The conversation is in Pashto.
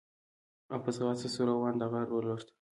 او په ځغاسته سو روان د غار و لورته